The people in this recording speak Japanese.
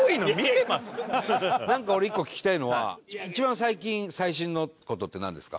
なんか俺一個聞きたいのは一番最近最新の事ってなんですか？